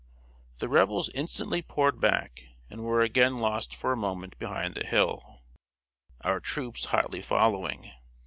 The Rebels instantly poured back, and were again lost for a moment behind the hill, our troops hotly following.